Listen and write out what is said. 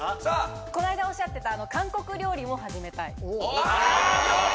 こないだ、おっしゃってた韓国料理も始めたい。